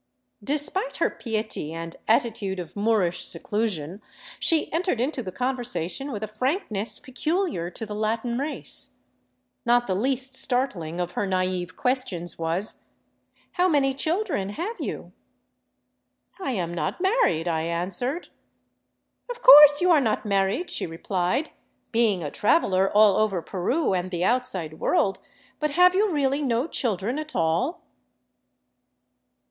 Despite her piety and attitude of Moorish seclusion, she entered into the conversation with a frankness peculiar to the Latin race. Not the least startling of her naive questions was :" How many children have you ?"" I am not married," I answered. " Of course you are not married," she replied, " being a traveler all over Peru and the outside world, but have you really no children at all?"